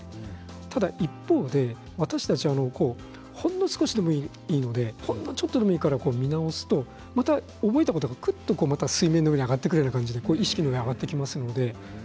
ただ、一方でほんの少しでもいいのでほんのちょっとでもいいから見直すと覚えたことがくっと水面の上に上がってくるような感じで意識の上に上がっていきます。